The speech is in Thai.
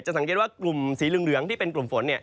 สังเกตว่ากลุ่มสีเหลืองที่เป็นกลุ่มฝน